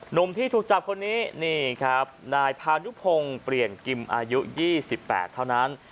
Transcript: หนุ่มที่ถูกจับคนนี้นี่ครับนายพานุพงศ์เปลี่ยนกิมอายุ๒๘เท่านั้น